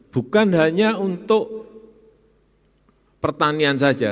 bukan hanya untuk pertanian saja